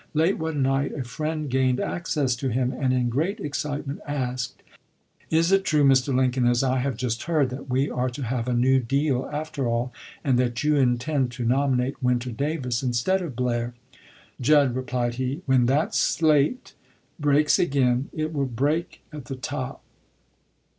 Late one night a friend gained access to him, and in great excitement asked, "Is it true, Mr. Lincoln, as I have just heard, that we are to have a new deal after all, and that you intend to nominate Winter Davis instead of Blair I "" Judd," replied he, " when that slate breaks again, it will break at the top."